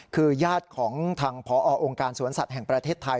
คือญาติของทางพอองค์การสวนสัตว์แห่งประเทศไทย